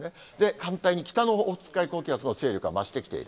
反対に北のオホーツク海の高気圧の勢力が増してきている。